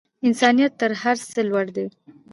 انسانیت تر هر څه لوړ دی.